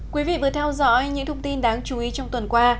quý vị vừa theo dõi những thông tin đáng chú ý trong tuần qua